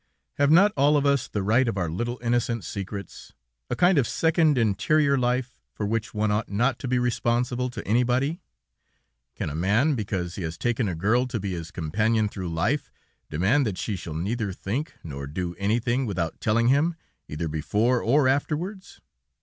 Have not all of us the right of our little, innocent secrets, a kind of second, interior life, for which one ought not to be responsible to anybody? Can a man, because he has taken a girl to be his companion through life, demand that she shall neither think nor do anything without telling him, either before or afterwards?